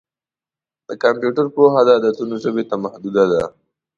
د کمپیوټر پوهه د عددونو ژبې ته محدوده ده.